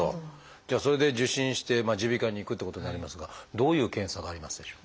じゃあそれで受診して耳鼻科に行くってことになりますがどういう検査がありますでしょう？